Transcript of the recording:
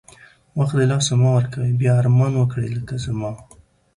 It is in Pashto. وخت د لاسه مه ورکوی بیا ارمان وکړی لکه زما